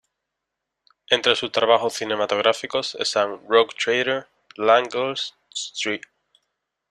Entre sus trabajos cinematográficos están "Rogue Trader", "The Land Girls", "St.